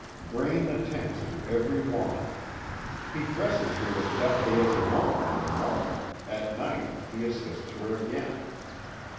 Braine attends to every want. He dresses her as deftly as a woman, in the morning; at night he assists her again.